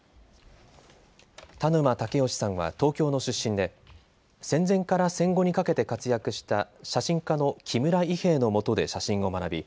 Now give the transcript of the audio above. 田沼武能さんは東京の出身で戦前から戦後にかけて活躍した写真家の木村伊兵衛のもとで写真を学び